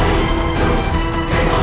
aku tak bisa